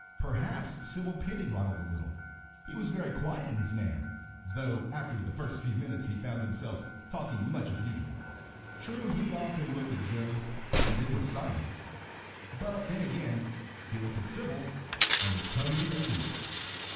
Perhaps Sybil pitied Ronald a little. He was very quiet in his manner, though after the first few minutes he found himself talking much as usual. True, he often looked at Joe, and then was silent; but then again he looked at Sybil, and his tongue was unloosed.